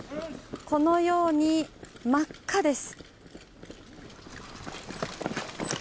このように真っ赤です。